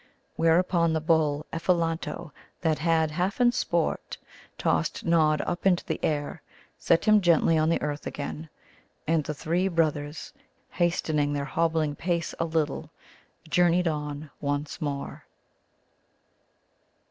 Whereupon the bull Ephelanto that had, half in sport, tossed Nod up into the air set him gently on the earth again. And the three brothers, hastening their hobbling pace a little, journeyed on once more.